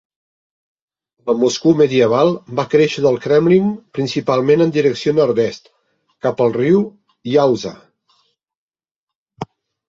La Moscou medieval va créixer del Kremlin principalment en direcció nord-est, cap al riu Yauza.